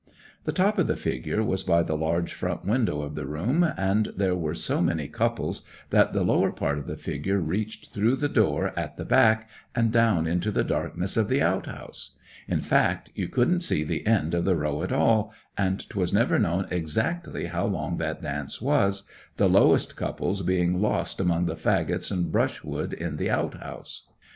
The top of the figure was by the large front window of the room, and there were so many couples that the lower part of the figure reached through the door at the back, and into the darkness of the out house; in fact, you couldn't see the end of the row at all, and 'twas never known exactly how long that dance was, the lowest couples being lost among the faggots and brushwood in the out house.